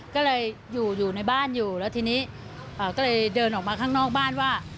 ก็เลยอยู่อยู่ในบ้านอยู่แล้วทีนี้ก็เลยเดินออกมาข้างนอกบ้านว่า